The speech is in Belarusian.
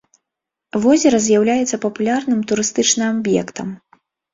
Возера з'яўляецца папулярным турыстычным аб'ектам.